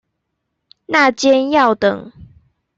那間要等